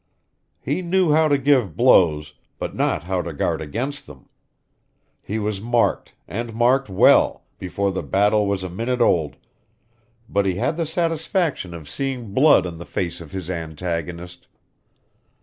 He knew how to give blows, but not how to guard against them. He was marked, and marked well, before the battle was a minute old, but he had the satisfaction of seeing blood on the face of his antagonist.